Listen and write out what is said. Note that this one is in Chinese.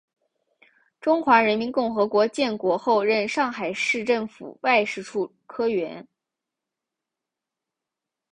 中华人民共和国建国后任上海市政府外事处科员。